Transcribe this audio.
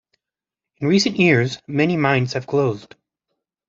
In recent years many mines have closed.